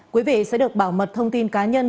quý vị sẽ được bảo mật thông tin cá nhân